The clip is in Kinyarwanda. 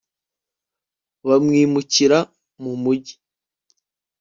bamwimukira mu mugi